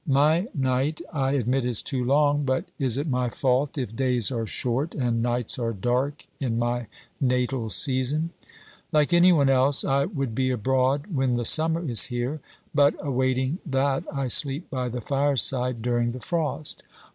My night I admit is too long, but is it my fault if days are short and nights are dark in my natal season ? Like any one else, I would be abroad when the summer is here ; but awaiting that I sleep by the fireside during the frost.